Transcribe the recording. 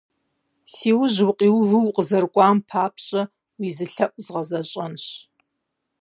Си ужь укъиувэу укъызэрыкӀуам папщӀэ, уи зы лъэӀу згъэзэщӀэнщ.